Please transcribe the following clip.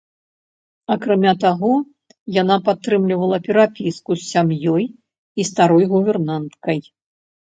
Акрамя таго, яна падтрымлівала перапіску з сям'ёй і старой гувернанткай.